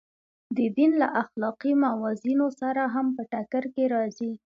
د دین له اخلاقي موازینو سره هم په ټکر کې راځي.